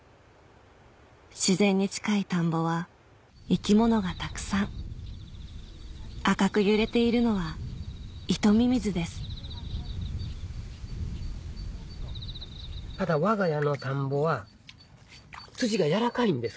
自然に近い田んぼは生き物がたくさん赤く揺れているのはイトミミズですただわが家の田んぼは土が軟らかいんです。